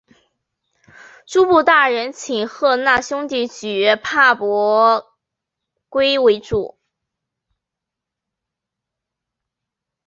诸部大人请贺讷兄弟举拓跋圭为主。